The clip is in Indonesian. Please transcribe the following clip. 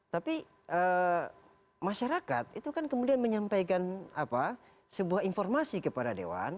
tapi masyarakat itu kan kemudian menyampaikan sebuah informasi kepada dewan